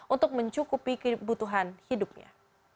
untuk mencukupi kebutuhan hidupnya